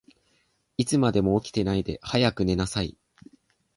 いつまでも起きてないで、早く寝なさい。